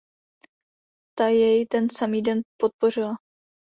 Ta jej ten samý den podpořila.